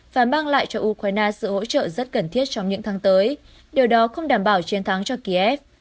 và mang lại cho ukraine sự hỗ trợ rất cần thiết trong những tháng tới điều đó không đảm bảo chiến thắng cho kiev